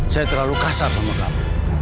saya terlalu kasar sama kamu